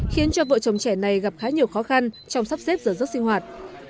khiến cho vợ chồng trẻ này gặp khá nhiều khó khăn trong sắp xếp giữa giấc sinh hoạt